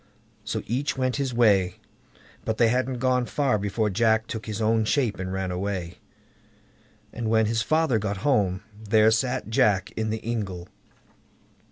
So each went his way; but they hadn't gone far before Jack took his own shape and ran away, and when his father got home, there sat Jack in the ingle.